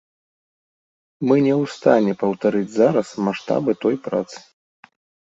Мы не ў стане паўтарыць зараз маштабы той працы.